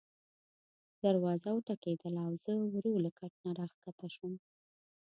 دروازه وټکېدله او زه ورو له کټ نه راکښته شوم.